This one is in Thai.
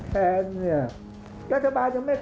ภาคอีสานแห้งแรง